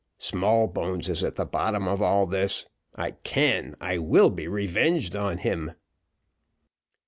Smallbones is at the bottom of all this; I can I will be revenged on him."